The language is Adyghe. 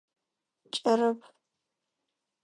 Кӏэрэп.